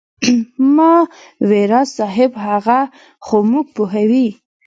ما وې راز صاحب هغه خو موږ پوهوي.